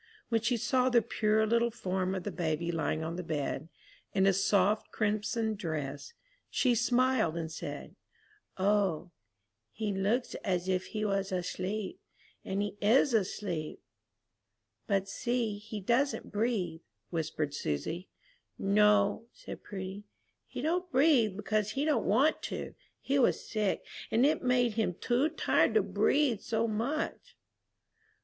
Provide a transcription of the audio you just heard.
When she saw the pure little form of the baby lying on the bed, in a soft crimson dress, she smiled and said, "O, he looks as if he was asleep, and he is asleep!" "But see, he doesn't breathe," whispered Susy. "No," said Prudy, "he don't breathe because he don't want to. He was sick, and it made him too tired to breathe so much."